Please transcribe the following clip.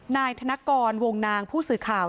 นายธนกรวงนางผู้สื่อข่าว